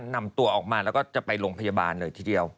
นำตัวออกมาแล้วก็จะไปโรงพยาบาลเลยทีเดียว